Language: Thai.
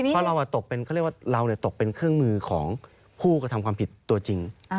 เพราะเราอะตกเป็นเครื่องมือของผู้กระทำความผิดตัวจริง